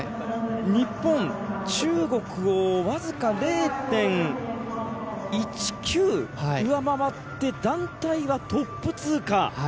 日本、中国をわずか０．１９上回って団体はトップ通過。